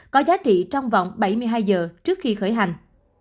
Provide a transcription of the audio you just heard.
có giá trị trong vòng bảy mươi hai giờ trước khi khởi hành